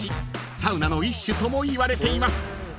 ［サウナの一種ともいわれています］